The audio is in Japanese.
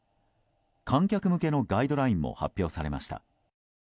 観客向けのガイドラインも発表されました。